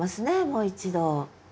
もう一度。